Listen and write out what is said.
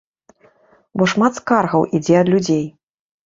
Бо шмат скаргаў ідзе ад людзей.